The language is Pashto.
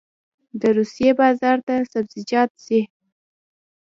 د روسیې بازار ته سبزیجات ځي